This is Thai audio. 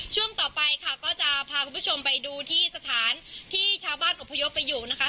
ช่วงต่อไปค่ะก็จะพาคุณผู้ชมไปดูที่สถานที่ชาวบ้านอบพยพไปอยู่นะคะ